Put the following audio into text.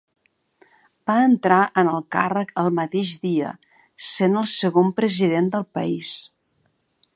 Va entrar en el càrrec el mateix dia, sent el segon president del país.